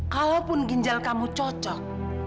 kalaupun ginjal kamu cocok